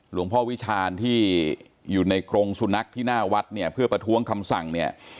วิชาญที่อยู่ในกรงสุนัขที่หน้าวัดเนี่ยเพื่อประท้วงคำสั่งเนี่ย